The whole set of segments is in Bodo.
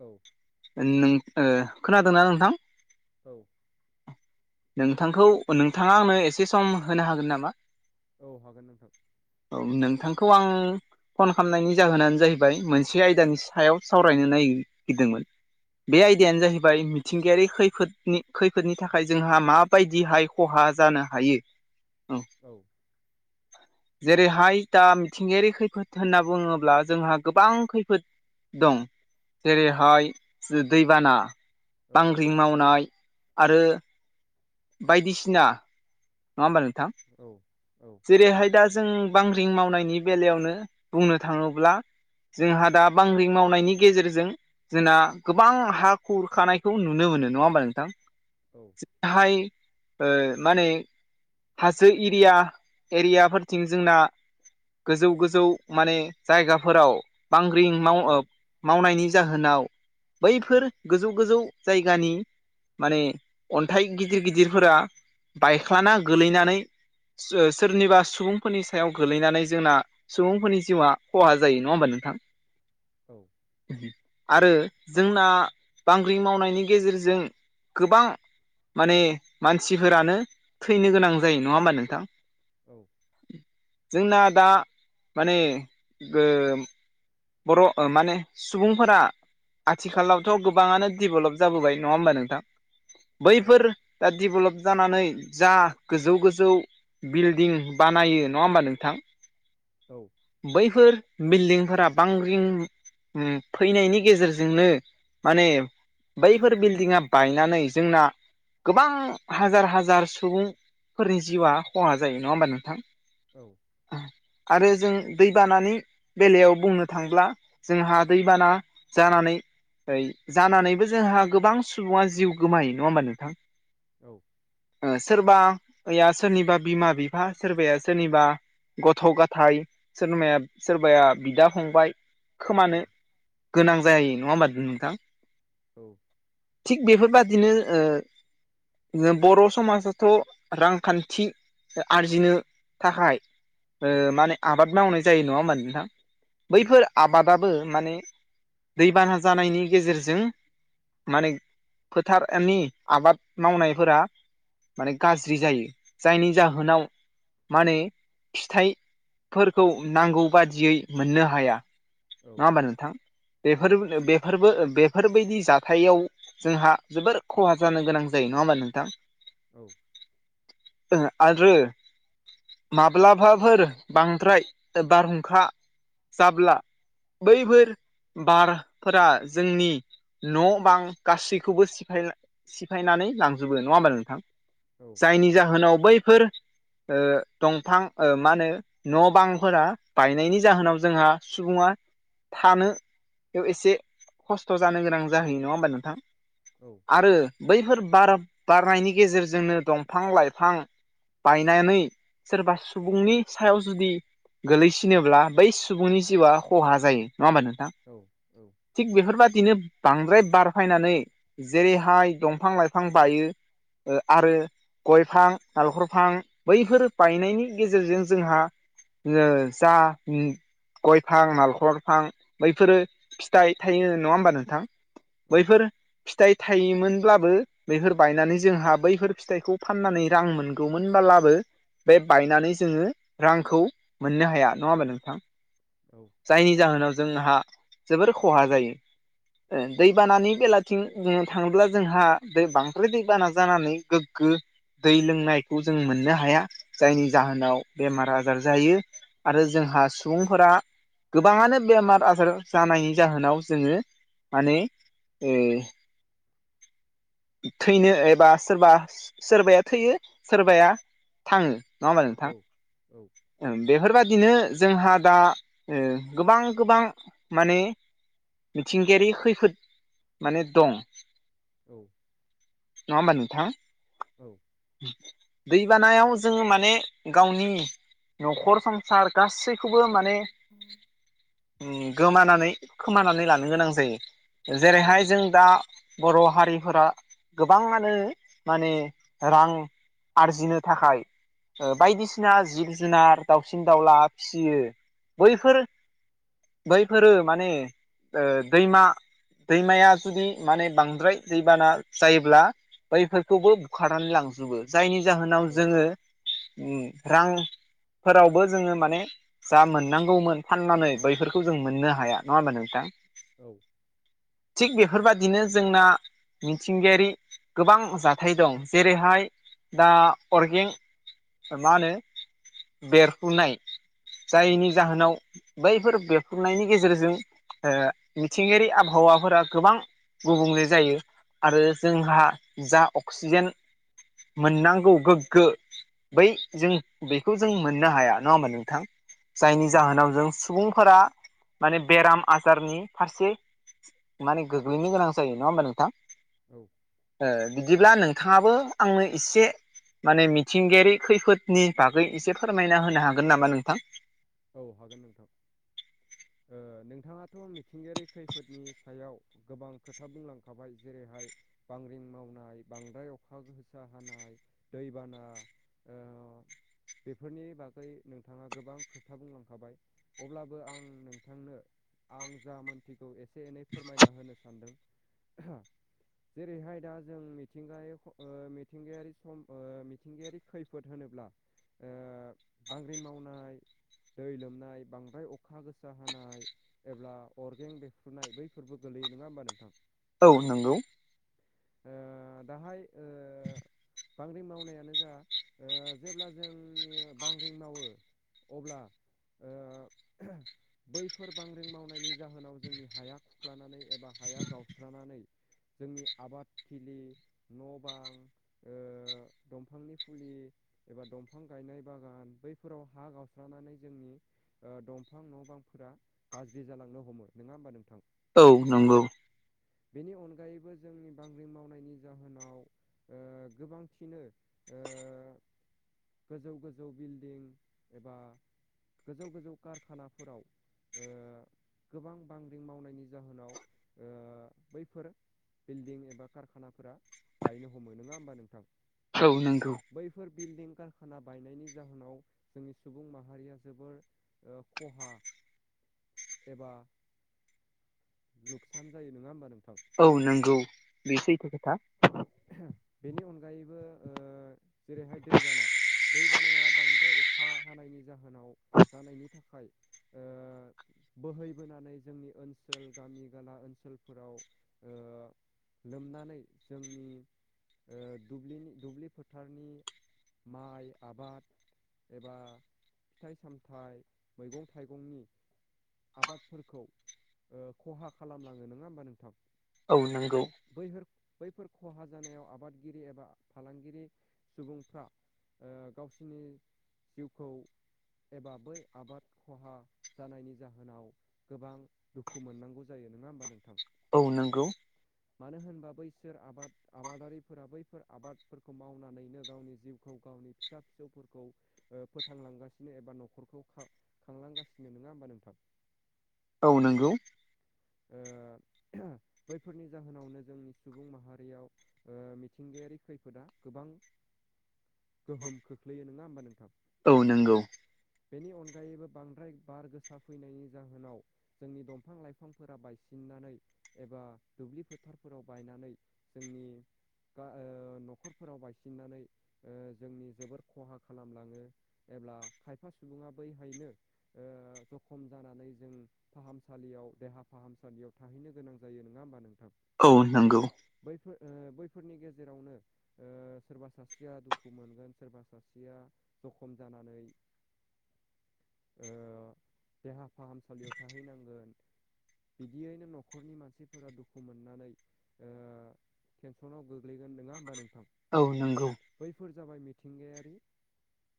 औ [unintelligible] खोनादोंना नोंथां? औ नोंथांखौ नोंथाङा आंनो एसे सम होनो हागोन नामा? औ हागोन नोंथां। औ नोंथांखौ आं फन खालामनायनि जाहोनानो जाहैबाय मोनसे आयदानि सायाव सावरायनो नागिरदोंमोन। औ बे आयदायानो जाहैबाय मिथिंगायारि खैफोदनि खैफोदनि थाखाय जोंहा माबायदिहाय खहा जानो हायो औ औ जेरैहाय दा मिथिंगायारि खैफोद होनना बुङोब्ला जोंहा गोबां खैफोद दं जेरैहाय दैबाना औ बांग्रिं मावनाय आरो बायदिसिना नङा ओमबा नोंथां? औ औ जेरैहाय दा जों बांग्रिं मावनायनि बेलायावनो बुंनो थाङोब्ला जोंहा दा बांग्रि मावनायनि गेजेरजों जोंना गोबां हा खुरखानायखौ नुनो मोनो नङा होमबा नोंथां? औ बेहाय माने हाजो एरिया एरियाफोरथिं जोंना गोजौ गोजौ माने जायगाफोराव बांग्रिं माव औ मावनायनि जाहोनाव औ बैफोर गोजौ गोजौ जायगानि माने अन्थाइ गिदिर गिदिरफोरा बायख्लाना गोलैनानै सोरनिबा सुबुंफोरनि सायाव गोलैनानै जोंना सुबुंफोरनि जिउआ खहा जायो नङा होमबा नोंथां? औ आरो जोंना बांग्रि मावनायनि गेजेरजों गोबां माने मानसिफोरानो थैनो गोनां जायो नङा होमबा नोंथां? औ जोंना दा माने बर' माने सुबुंफोरा आथिखालावथ' गोबाङानो डेभेलप जाबोबाय नङा होमबा नोंथां? औ बैफोर दा डेभेलप जानानै जा गोजौ गोजौ बिल्डिं बानायो नङा होमबा नोंथां? औ बैफोर बिल्डिंफोरा बांग्रिं फैनायनि गेजेरजोंनो माने बैफोर बिल्डिंआ बायनानै जोंना गोबां हाजार हाजार सुबुंफोरनि जिउआ खहा जायो नङा होमबा नोंथां? औ आरो जों दैबानानि बेलायाव बुंनो थांब्ला जोंहा दैबाना जानानै ऐ जानानैबो जोंहा गोबां सुबुङा जिउ गोमायो नङा होमबा नोंथां? औ। ओ सोरबाया सोरनिबा बिमा बिफा सोरबाया सोरनिबा गथ' गथाय सोरबाया सोरबाया बिदा फंबाय खोमानो गोनां जायो नङा होमबा नोंथां? औ। थिग बेफोरबादिनो ओ ओ बर' समाजाथ' रांखान्थि आरजिनो थाखाय ओ माने आबाद मावनाय जायो नङा होमबा नोंथां? बैफोर आबादाबो माने दैबाना जानायनि गेजेरजों माने फोथारनि आबाद मावनायफोरा माने गाज्रि जायो जायनि जाहोनाव माने फिथाइ फोरखौ नांगौ बादियै मोननो हाया। औ नङा होमबा नोंथां बेफोर बेफोरबो बेफोरबायदि जाथायाव जोंहा जोबोर खहा जानो गोनां जायो नङा होमबा नोंथां? औ। आरो माब्लाबाफोर बांद्राय बारहुंखा जाब्ला बैफोर बारफोरा जोंनि न' बां गासैखौबो सिफायना सिफायनानै लांजोबो नङा होमबा नोंथां? औ। जायनि जाहोनाव बैफोर ओ दंफां ओ मा होनो न' बांफोरा बायनायनि जाहोनाव जोंहा सुबुङा थानोयाव एसे खस्थ' जानो गोनां जाहैयो नङा होमबा नोंथां? औ। आरो बैफोर बार बारनायनि गेजेरजोंनो दंफां लाइफां बायनानै सोरबा सुबुंनि सायाव जुदि गोगलैसिनोब्ला बै सुबुंनि जिउआ खहा जायो नङा होमबा नोंथां? औ औ। थिग बेफोरबायदिनो बांद्राय बारफायनानै जेरैहाय दंफां लाइफां बायो। आरो गयफां नालखरफां बैफोर बायनायनि गेजेरजों जोंहा ज जा गय फां नालखर फां बैफोरो फिथाइ थायो नङा होमबा नोंथां? बैफोर फिथाइ थायोमोनब्लाबो बैफोर बायनानै जोंहा बैफोर फिथाइखौ फाननानै रां मोनगौमोन ब्लाबो बे बायनानै जोङो रांखौ मोननो हाया नङा होमबा नोंथां? औ। जायनि जाहोनाव जोंहा जोबोर खहा जायो। दैबानानि बेलाथिं जोङो थाङोब्ला जोंहा दै बांद्राय दैबाना जानानै गोग्गो दै लोंनायखौ जों मोननो हाया जायनि जाहोनाव बेमार आजार जायो। आरो जोंहा सुबुंफोरा गोबाङानो बेमार आजार जानायनि जाहोनाव जोङो माने ओ थैनो एबा सोरबा सोरबाया थैयो सोरबाया थाङो नङा होमबा नोंथां? औ बेफोरबादिनो जोंहा दा गोबां गोबां माने मिथिंगायारि खैफोद माने दं। औ। नंङा होनबा नोंथां? औ। दैबानायाव जोङो माने गावनि न'खर सार गासैखौबो माने गोमानानै खोमानानै लानो गोनां जायो जेरैहाय जों दा बर' हारिफोरा गोबाङानो माने रां आरजिनो थाखाय बायदिसिना जि जुनार दाउसिन दाउला फिसियो बैफोर बैफोरो माने दैमा दैमाया जुदि माने बांद्राय दैबाना जायोब्ला बैफोरखौबो बुखारनानै लांजोबो जायनि जाहोनाव जोङो रां फोरावबो जोङो माने जा मोननांगौमोन फाननानै बैफोरखौ जों मोननो हाया नङा होमबा नोंथां? औ थिग बेफोरबायाददिनो जोंना मिथिंगायारि गोबां जाथाय दं जेरैहाय दा अर्गें मा होनो बेरफुनाय जायनि जाहोनाव बैफोर बेरफ्रुनायनि गेजेरजों मिथिंगायारि आबहावाफोरा गोबां गुबुंले जायो आरो जोंहा जा अक्सिजेन मोननांगौ गोग्गो बै जों बेखौ जों मोननो हाया नङा होमबा नोंथां? जायनि जाहोनाव जों सुबुंफोरा माने बेराम आजारनि फारसे माने गोग्लैनो गोनां जायो नङा होमबा नोंथां? औ बिदिब्ला नोंथाङाबो आंनो एसे माने मिथिंगायारि खैफोदनि बागै एसे फोरमायना होनो हागोन नामा नोंथां? औ हागोन नोंथां नोंथाङाथ' मिथिंगायारि खैफोदनि सायाव गोबां खोथा बुंलांखाबाय जेरैहाय बांग्रिं मावनाय बांद्राय अखा गोसा हानाय दैबाना बेफोरनि बागै नोंथाङा गोबां खोथा खोथा बुंलांखाबाय अब्लाबो आं नोंथांनो आं जा मोन्थिगौ एसे एनै फोरमायना होनो सानदों। जेरैहाय दा जों मिथिंग मिथिंगायारि सम मिथिंगायारि खैफोद होनोब्ला बांग्रि मावनाय दै लोमनाय बांद्राय अखा गोसा हानाय एब्ला अरगें बेफ्रुनाय बैफोरबो गोलैयो नङा होमबा नोंथां? औ नंगौ। ओ दाहाय ओ बांग्रिं मावनायानो जा ओ जेब्ला जोंनि बांग्रिं मावो अब्ला ओ बैफोर बांग्रिं मावनायनि जाहोनाव जोंनि हाया खुख्लानानै एबा हाया गावस्रानानै जोंनि आबादथिलि, न' बां ओ दंफांनि फुलि एबा दंफां गायनाय बागान बैफोराव हा गावस्रानानै जोंनि दंफां न' बांफोरा गाज्रि जालांनो हमो नङा होमबा नोंथां? औ नंगौ। बेनि अनगायैबो जोंनि बांग्रि मावनायनि जाहोनाव ओ गोबांथिनो ओ गोजौ गोजौ बिल्डिं एबा गोजौ गोजौ कारखानाफोराव ओ गोबां बांग्रिं मावनायनि जाहोनाव ओ बैफोर बिल्डिं एबा कारखानाफोरा बायनो हमो नोङा ओमबा नोंथां? औ नोंगौ। बैफोर बिल्डिं कारखाना बायनायनि जाहोनाव जोंनि सुबुं माहारिया जोबोर ओ खहा एबा लुकसान जायो नङा ओमबा नोंथां? औ नंगौ बेसो एथ' खोथा बेनि अनगायैबो जेरैहाय दैबाना दै बानाया बांद्राय अखा हानायनि जाहोनाव जानायनि थाखाय ओ बोहैबोनानै जोंनि ओनसोल गामि गाला ओनसोलफोराव ओ लोमनानै जोंनि ओ दुब्लिनि दुब्लि फोथारनि माइ आबाद एबा फिथाइ सामथाइ मैगं थाइगंनि आबादफोरखौ ओ खहा खालामलाङो नङा ओमबा नोंथां? औ नोंगौ। बैहोर बैफोर खहा जानायाव आबादगिरि एबा फालांगिरि सुबुंफ्रा ओ गावसिनि जिउखौ एबा बै आबाद खहा जानायनि जाहोनाव गोबां दुखु मोननांगौ जायो नङा ओमबा नोंथां? औ नोंगौ। मानो होनबा बैसोर आबाद आबादारिफोरा बैफोर आबादफोरखौ मावनानैनो गावनि जिउखौ गावनि फिसा फिसौफोरखौ ओ फोथांलांगासि नो एबा न'खरखौ खांलांगासिनो नङा ओमबा नोंथां? औ नोंगौ। ओ बैफोरनि जाहोनावनो जोंनि सुबुं माहारियाव ओ मिथिंगायारि खैफोदा गोबां गोहोम खोख्लैयो नङा ओमबा नोंथां? औ नंगौ। बेनि अनगायैबो बांद्राय बार गोसा फैनायनि जाहोनाव जोंनि दंफां लाइफांफोरा बायसिननानै एबा दुब्लि फोथारफोराव बायनानै जोंनि बा ओ न'खरफोराव बायसिननानै ओ जोंनि जोबोर खहा खालामलाङो एब्ला खायफा सुबुङा बैहायनो ओ जखम जानानै जों फाहामसालियाव देहा फाहामसालियाव थाहैनो गोनां जायो नङा ओमबा नोंथां? औ नोंगौ। बैफोर ओ बैफोरनि गेजेरावनो ओ सोरबा सासेया दुखु मोनगोन सोरबा सासेया जखम जानानै ओ देहा फाहामसालियाव थाहैनांगोन। बिदियैनो न'खरनि मानसिफोरा दुखु मोननानै ओ टेनसनाव गोग्लैगोन नङा होमबा नोंथां? औ नंगौ। बैफोर जाबाय मिथिंगायारि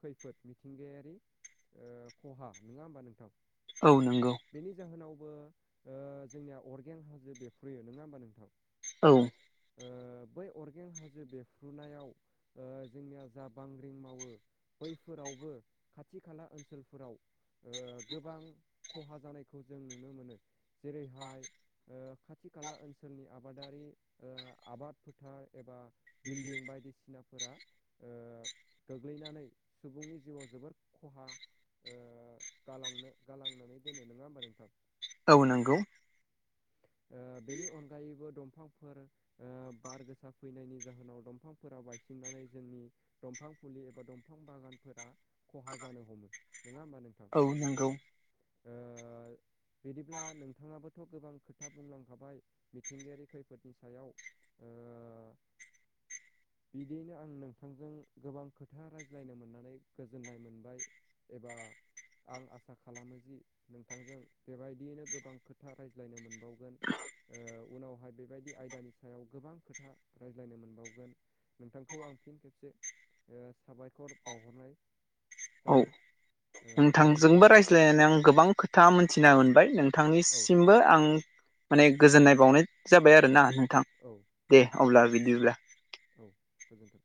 खैफोद मिथिंगायारि बि ओ खहा नङा ओमबा नोंथां? औ नंगौ। बेनि जाहोनावबो ओ जोंनिया अरगें हाजो बेरफ्रोयो नङा ओमबा नोंथां? औ ओ बै अरगें हाजो बेरफ्रुनायाव ओ जोंनिया जा बांग्रिं मावो बैफोरावबो खाथि खाला ओनसोलफोराव ओ गोबां खहा जानायखौ जों नुनो मोनो। जेरैहाय ओ खाथि खाला ओनसोलनि आबादारि ओ आबाद फोथार एबा बिल्डिं बायदिसिनाफोरा ओ गोग्लैनानै सुबुंनि जिउआव जोबोद खहा ओ गालांनो गालांनानै दोनो नङा होमबा नोंथां? औ नंगौ ओ बेनि अनगायैबो दंफां फोर ओ बार गोसा फैनायनि जाहोनाव दंफांफोरा बायसिननानै जोंनि दंफां फुलि एबा दंफां बागानफोरा खहा जानो हमो। नङा होमबा नों औ नंगौ ओ बिदिब्ला नोंथाङाबोथ' गोबां खोथा बुंलांखाबाय मिथिंगायारि खैफोदनि सायाव ओ [unintelligible] बिदियैनो आं नोंथांजों गोबां खोथा रायज्लायनो मोननानै गो जोननाय मोनबाय एबा आं आसा खालामो जि नोंथांजों बेबायदियैनो गोबां खोथा रायज्लायनो मोन बावगोन ओ उनावहाय बेबायदि आयदानि सायाव गोबां खोथा रायज्लायनो मोनबावगोन। नोंथांखौ आं फिन खेबसे ओ साबायखर बावहरनाय औ जाबाय। ओ गोजोन्थों नोंथांजोंबो नोंथां रायज्लायनानै आं गोबां खोथा मोनथिना मोनबाय औ नोंथांनिसिमबो आं माने गोजोननाय बावनाय जाबाय आरो ना नोंथां। औ दे अब्ला बिदिब्ला औ गोजोन्थों